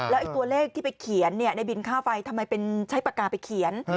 แล้วตัวเลขที่ไปเขียนในบินค่าไฟทำไมใช้ปากกาไปเขียน